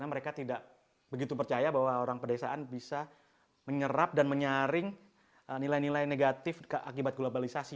mereka tidak begitu percaya bahwa orang pedesaan bisa menyerap dan menyaring nilai nilai negatif akibat globalisasi